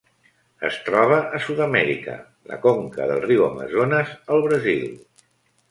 Es troba a Sud-amèrica: la conca del riu Amazones al Brasil.